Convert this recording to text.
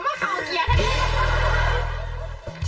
กลับมาเขาเกียร์ทั้งนี้